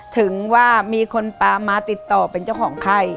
ถึงว่ามีคนปลามาติดต่อเป็นเจ้าของไข้